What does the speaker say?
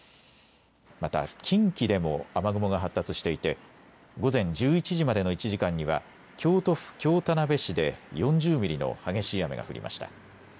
また近畿でも雨雲が発達していて午前１１時までの１時間には京都府京田辺市で４０ミリの激しい雨が降りました。